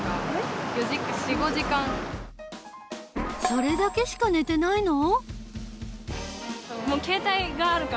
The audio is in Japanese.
それだけしか寝てないの？